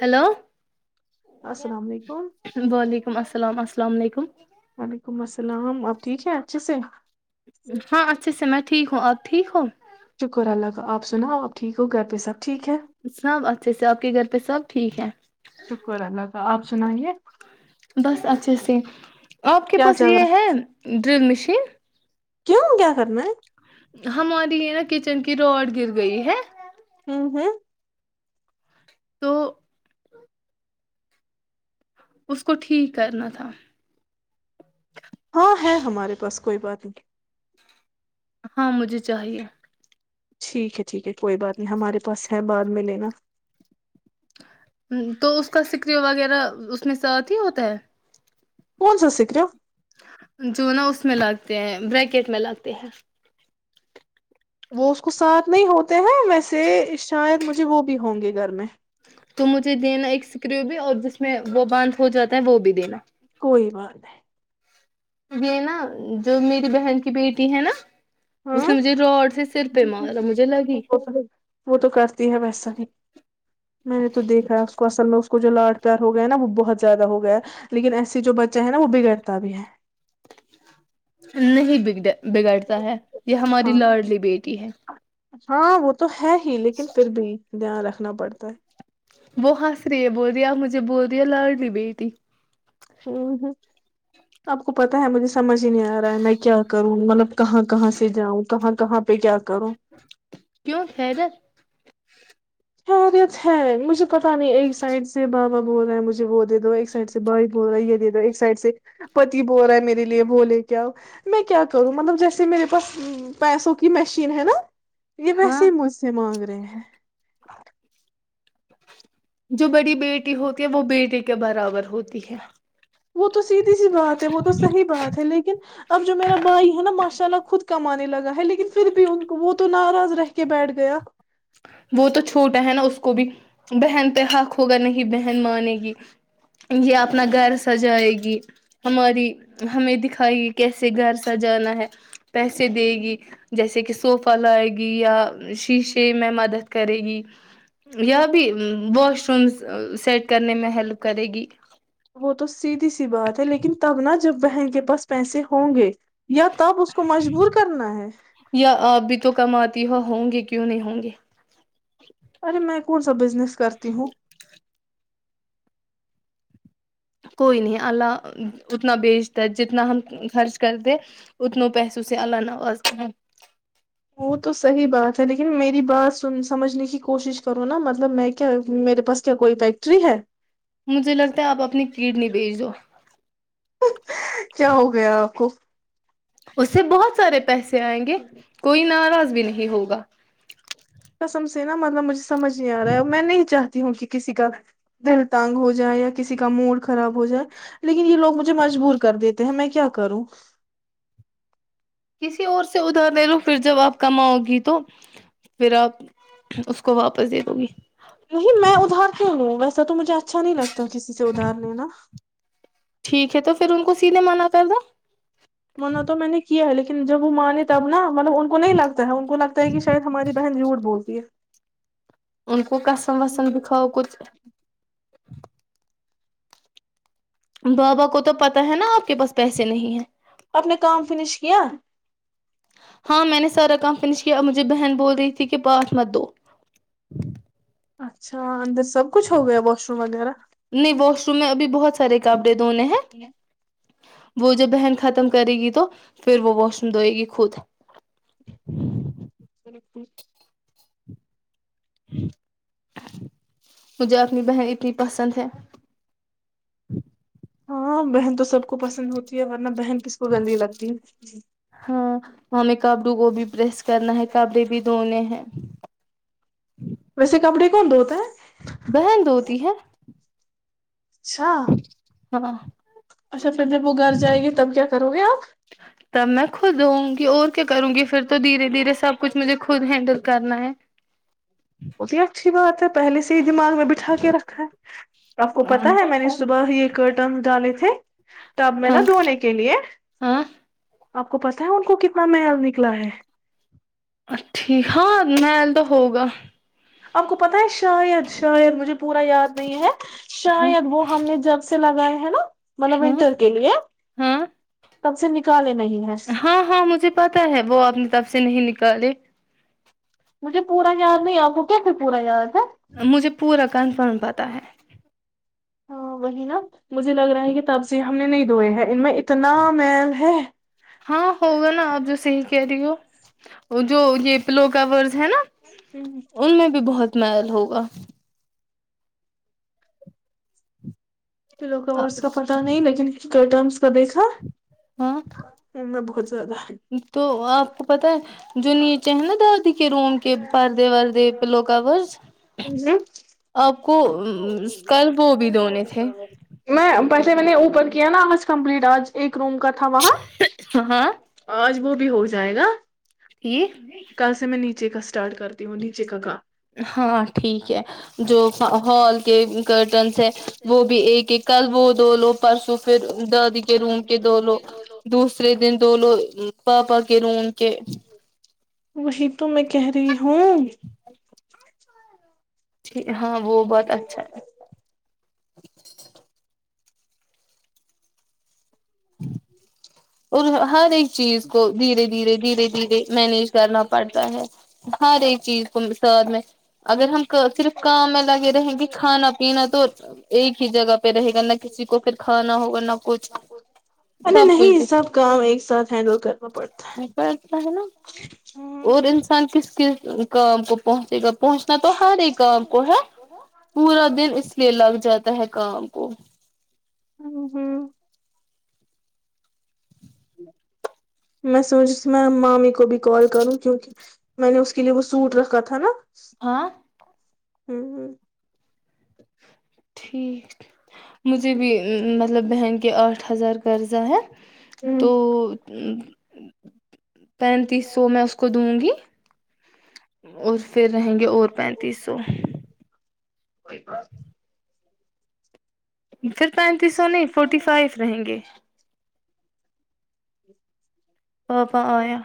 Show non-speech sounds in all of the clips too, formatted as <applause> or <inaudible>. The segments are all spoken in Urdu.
ہیلو وعلیکم السلام السلام السلام علیکم وعلیکم السلام آپ ٹھیک ہیں اچھے سے ہاں اچھے سے میں ٹھیک ہوں آپ ٹھیک ہوں شکر اللہ کا آپ سنا آ ٹھیک ہو گھر سب اچھے سے آپ کے گھر پہ سب ٹھیک ہے شکر اللہ تعالی آپ سنائیے سے آپ کے پاس یہ ہے ڈرل مشین پھے کیوں کیا کرنا ہے ہماری یہ نا کچن کی روڈ گر گئی ہے ہوں ہوں تو اس کو ٹھیک کرنا تھا ہاں ہے ہمارے پاس کوئی بات نہیں ہاں مجھے چاہیے ٹھیک ہے ٹھیک ہے کوئی بات نہیں ہمارے پاس ہے بعد میں لینا ہ تو اس کا سکری وغیرہ اس میں ساتھ ہی ہوتا ہے کون ستسکریہ جو نا اس میں لگتے ہیں بریکٹ میں لگتے ہیں وہ اس کو ساتھ نہیں ہوتے ہیں ویسے شاید مجھے وہ بھی ہوں گے گھر میں تو مجھے دینا ایک سکریو بھی اور جس میں وہ باندھ ہو جاتا ہے وہ بھی دینا کوئی بات نہیں یہ نا جو میری بہن کی بیٹی ہے نا ہاں وہ تو کرتی ہے ویسا ہی میں نے تو دیکھا ہے اس کو اصل میں کو جو لاٹ پیار ہو گیا ہے نا وہ بہت زیادہ ہو گیا ہے لیکن ایس جو بچہ ہے نا وہ بگڑتا بھی ہے نہیں بگ بگڑتا ہے یہ ہماری لارڈلی بیٹی ہے ہاں وہ تو ہے ہی لیکن پھر بھی دھیان رکھ رکھنا پڑتا ہے وہ ہنس رہی ہے بول رہی آپ مجھے بول رہی ہیں لڑنی بیٹی ہوں ہوں آپ کو پتا ہے مجھے سمجھ ہی نہیں آ رہا ہے میں کیا کروں مطلب کہاں کہاں سے جاؤں کہاں کہاں پہ کیا کروں کیوں خیر خیریت ہے مجھے پتا نہیں ایک سائڈ سے بابا بول رہا ہے مجھے وہ دے دو ایک سائڈ سے بھائی بول رہا ہے یہ دے دو ایک سائڈ سے پتی بول رہا ہے میرے لیے بولے کیا میں کیا کروں مطلب جیسے میرے پاس پیسوں کی مشین ہے نا یہ ویسے ہی مجھ سے مانگا ے ہیں جو بڑی بیٹی ہوتی ہے وہ بیٹی کے برابر ہوتی ہے وہ تو سیدھی سی بات ہے وہ تو صحیح بات ہے لیکن اب جو میرا بھائی ہے نا ماشاء اللہ خود کمانے لگا ہے لیکن پھر بھی ان کو وہ تو ناراض رہ کے بیٹھ گیا وہ تو چھوٹا ہے نا اس کو بھی بہن پہ حق ہوگا نہیں بہن مانے گی یہ اپنا گھر سجائے گی ہماری ہمیں دکھائے گی کیسے گھر سجانا ہے پیسے دے گی جیسے کہ صوفہ لائے گی یا شیشے میں مدس کرے گی یا بھی واش رومز سیٹ کرنے میں ہیلپ کرے گی وہ تو سیدھی سی بات ہے لیکن تب نہ جب بہن کے پاس پیسے ہوں گے یا تب اس کو مجبور کرنا ہے ہوں گے کیوں نہیں ہوں گے ارے میں کون سا بزنس کرتی ہوں کوئی نہیں اللہ اتنا بیچتا ہے جتنا ہم خرچ کرتے اتنوں پیسے اس سے اللہ نوازتے ہیں وہ تو صحیح بات ہے لیکن میری بات س سمجھنے کی کوشش کروں نا مطلب میں کیا میرے پاس کیا کوئی فیکٹری ہے مجھے لگتا ہے آپ اپنی کڈنی بیج جو کیا ہو گیا آپ کو اس سے بہت سارے پیسے آئیں گے کوئی نہ را بھی نہیں ہوگا قسم سے نا مطلب مجھے سج نہیں آ رہا ہے اور میں نہیں چاہتا ہوں کہ کسی کا دل تانگ ہو جائے یا کسی کا موڈ خراب ہو جائے لیکن یہ لوگ مجھے مجبور کر دیتے ہیں میں کیا کروں کسی اور سے ادھار دے لو پھر جب آپ کماؤ گی تو پھر آپ اس کو واپس دے دو گی نہیں میں ادھارتی ہوں ویسا تو مجھے اچھا نہیں لگتا کسی سے ادھار لینا ٹھیک ہے تو پھر ان کو سیدھے منع کرد ن جب وہ مانے تب نہا مطلب ان کو نہیں لگتا ہے ان کو لگتا ہے کہ شاید ہماری بہن ضرور بولتی ہے ان کو قسم وسم بکھاؤ کچھ <inaudible> بابا کو تو پتا ہے نا آپ کے پاس پیسے نہیں ہیں اپ نے کام فنش کیا ہاں میں نے سارا کام فنش کیا اور مجھے بہن بول رہی تھی کہ پانچ مت دو اچھا اندر سب کچھ ہو گیا واش روم وغیرہ بھی بہت سارے کام دنے ہیں وہ جب بہن ختم کرے گی تو پھر وہ واش روم دھوئے گی خود ر مجھے اپنی بہن اتنی پسند ہے ہاں بہن تو سب کو پسند ہوتی ہے ہاں ہمیں کپڑوں کو بھی پریریس کرنا ہے کپڑے بھی دھونے ہیں ویسے کپڑے کون دتے ہیں بہن دھوتی ہے اچھا ہاں تب میں خود ہووںں گی اور کیا کروں گی پھر تو دھیرے دھیرے سب کچھ مجھے خود ہینڈل کرنا ہے وہتی آ چھی با پہلے سے ہی دماغ میں بٹھا کے رکھا ہے آپ کو پتاہ ہے میں نے صبح یہ کرٹن ڈالے تھے ہ تب میں نا دھونے کے لیے آ کو پتاہ ہے ان کو کتنا ٹھیک ہاں میل تو ہوگا آپ کو پتا ہے شاید شاید مجھے پورا یاد نہیں ہے شاید وہ ہم نے جب سے لگائے ہیں ہے نا مل منتر کےلی ہے تب سے نکالیں ہاں ہاں مجھے پتا ہے وہ اپنی طف سے نہیں نکالے مجھے پورا یاد نہیں آپ کو کیسے پورا یاد ہے مجھے پورا کنفرم پتا ہے ہاں وہی نا مجھے لگ رہا ہے کہ تب سے ہم نے نہیں دھوئے ہیں ان میں اتنا میل ہے کہ رہی ہو جو یہ پ لوگاورس ہے نا ان میں بھی بہت میل ہوگا <inaudible> لوکورس کا پتا نہیں لیکنٹرم اس کا دیکھا ہاں تو آپ کو پت ہے جو نہیں چاہ ہیں نا دد کے روم کے پرردے ورد پلو کورز آ کو کل وہ بھی دنے تھے پیسے میں نے اوپن کیا نا آ کمپلیٹ آج ایک روم کا تھا وہاں آج وہ بھی ہو جائے گا ٹھیک اسٹارٹ کرتی ہوں نیچے کاگا ہاں ٹھیک ہے جو ہال کے کرٹنس ہیں وہ بھی ایک ایک کل وہ دو لوگ پرسوں پھر درادی کے روم کے دو لو دوسرے دن د لو پاپا کے روون کہ وہی تو میں کہہ رہی ہوں ہاں وہ بہت اچھا ہے ہ اور ہاں نہیں چیز کو دھیرے دھیرے دھیرے دھیرے مینج کرنا پڑتا ہے ہر ایک چیز ک سد میں اگر ہم صرف کام میں لگے رہیں گے کھانا پینا تو ایک ہی جگہ پہ رہے گا نہ کسی کو پھر کھانا ہوگا نہ کچھ سب کچھ کام ایک ساتھ ہینڈل کرنا پڑتا ہے ہ کس کام کو پہنچے گا پہنچنا تو ہر ایک کام کو ہے پورا دن اس لیے لگ جاتا ہے کہ کو ہ ہوں میں سمج میں مامی کو بھی کال کروں کیوںکہ میں نے اس کے لیے وہ سوٹ رکھا تھا نا ہاں ہوں ہوں ٹھیک مجھے بھی مطلب بہن کے آٹھ آٹھ ہزار قرضہ ہے تو پینتیس سو میں اس کو دوں گی <inaudible> اور پھر رہیں گے اور پینتیس سو ائیکا پھر پینتیس سو نہیں فورٹی فائیو رہیں گے <inaudible> آپا آیا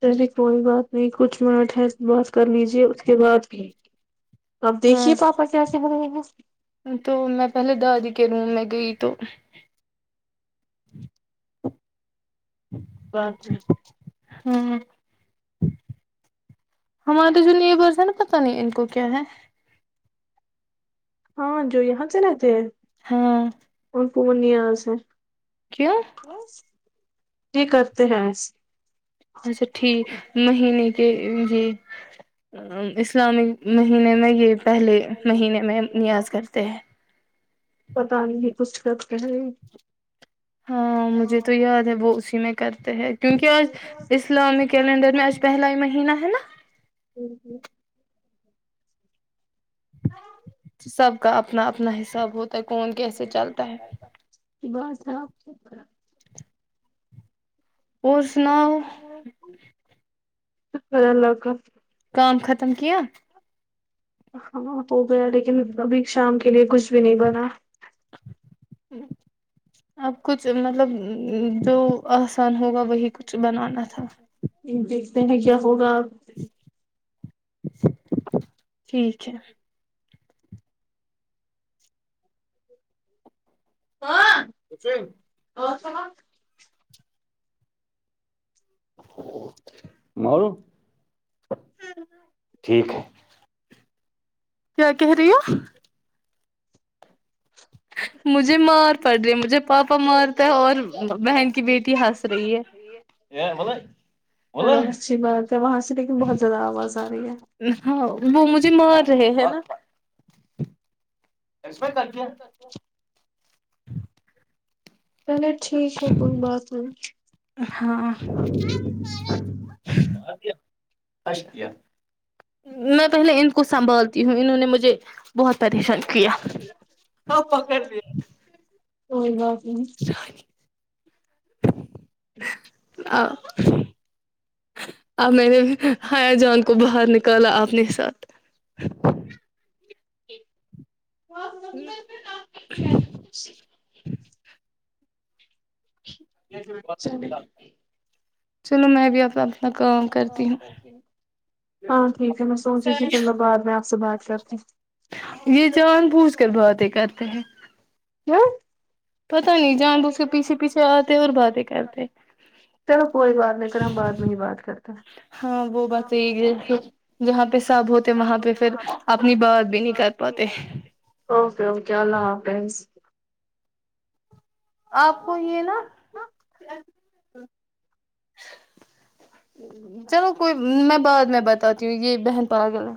تحر کوئی بات نہیں کچھ منٹ ح بات کر لیجئے اس کے بعد بھی اب دیکھیے پاپا کیسے مھے نس تو میں پہلے دادی کے روم میں گئی تو ہوں ہمارے جو لی برس ہے نا پتا نہیں ان کو کیا ہے ہاں جو یہاں سے رہتے ہیں ہاں پورنیا سے کیس یہ کرتے ہیں ایسے اچھا ٹھیک مہینے کے ج اسلامک مہینے میں یہ پہلے مہینے میں نیاز کرتے ہیں پتا نہیں کچھ کر کہیں ہاں مجھے تو یاد ہے وہ اسی میں کرتے ہیں کیونکہ آج اسلامی کیلینڈر میں آج پہلا ہی مہینہ ہے نا سب کا اپنا اپنا حساب ہوتا کوون کیسے چلتا ہے کی بس آپ اچ کر لو کا ام ختم کیاہ ہاں ہو گیا لیکن ابھی شام کے لیے کچھ بھی نہیں بنا اب کچھ مطلب جو آسان ہوگا وہی کچھ بنانا دیکھتے ہیں کیا ہوگا ٹھیک ہے کون اے اور ص مرو ٹھیک ہے کیا کہ رہی ہے مجھے مار پڑ رہی مجھے پاپ ا مارتا ہے اور بہن کی بیٹی ہنس رہی ہے ہاں وہ مجھے مار رہے ہیں نا اسپ تر کیا چلے ٹھیک ہے کوئی بات نہیں میں پہلے ان کو سنبھالتی ہوں انہوں نے مجھے بہت پریشان کیا پکڑ دیا کوئی گ ہی آ آ میں نے جان کو باہر نکالا اپنے ساتھ اچ ٹھ ا چلو میں بھی آپتا ہاں ٹھیک ہے میں سوچ رہی تھی پلہ بعد میں آپ سے بات اپ یہ جان پوجھ کر بہات ہی کرتے ہیں کیا چلو کوئی بات نہیں کر بعد میں ہی بات کرتا اوکے اوکے اللہ حافظ آپ کو یہ نا چلو کوئی میں بعد میں بتاتی ہوں یہ بہن پ گل